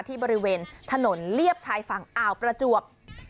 บริเวณถนนเลียบชายฝั่งอ่าวประจวบ